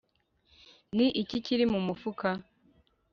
Ni iki kiri mu mufuka